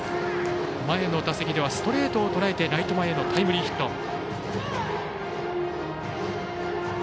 前の打席ではストレートをとらえてライト前へのタイムリーヒット。